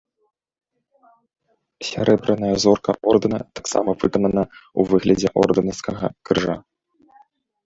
Сярэбраная зорка ордэна таксама выканана ў выглядзе ордэнскага крыжа.